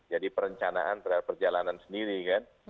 jadi perencanaan terhadap perjalanan sendiri kan